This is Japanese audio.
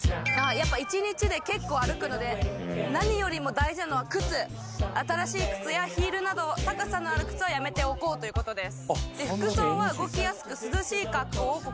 やっぱ１日で結構歩くので何よりも大事なのは靴新しい靴やヒールなど高さのある靴はやめておこうということです